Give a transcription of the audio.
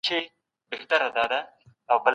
د مظلوم مرسته صدقه ده.